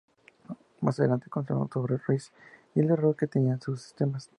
Más adelante conversan sobre Reese y el error que tenía en sus sistemas.